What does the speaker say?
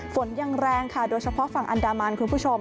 ฝนยังแรงค่ะโดยเฉพาะฝั่งอันดามันคุณผู้ชม